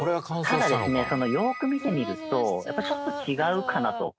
ただですねよく見てみるとやっぱりちょっと違うかなと。